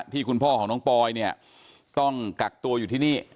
คุณพ่อของน้องปอยเนี่ยต้องกักตัวอยู่ที่นี่